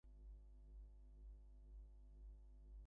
They both specialized in seascapes.